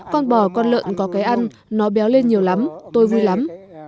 con bò con lợn có cái ăn nó béo lên nhiều lắm tôi vui lắm